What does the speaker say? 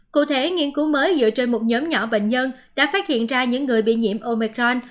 cụ thể nghiên cứu mới dựa trên một nhóm nhỏ bệnh nhân đã phát hiện ra những người bị nhiễm omicron